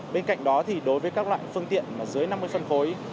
bên cạnh đó thì đối với các loại phương tiện mà dưới năm mươi phân khối